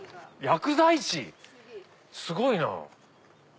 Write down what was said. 薬剤師⁉すごいなぁ。